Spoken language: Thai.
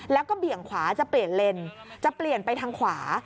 แล้วก็เบี่ยงขวาจะเปลี่ยนเลนจะเปลี่ยนไปทางขวา